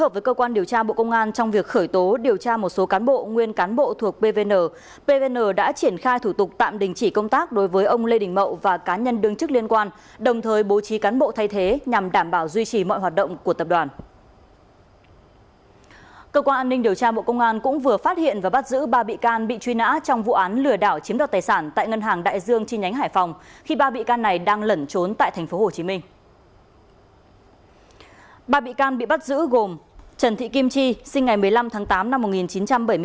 trung cán bộ thuộc pvn pvn đã triển khai thủ tục tạm đình chỉ công tác đối với ông lê đình mậu và cá nhân đương chức liên quan đồng thời bố trí cán bộ thay thế nhằm đảm bảo duy trì mọi hoạt động của tập đoàn cơ quan an ninh điều tra bộ công an cũng vừa phát hiện và bắt giữ ba bị can bị truy nã trong vụ án lừa đảo chiếm đọc tài sản tại ngân hàng đại dương trên nhánh hải phòng khi ba bị can này đang lẩn trốn tại tp hcm ba bị can bị bắt giữ gồm trần thị kim chi sinh ngày một mươi năm tháng tám năm một nghìn chín trăm bảy mươi bốn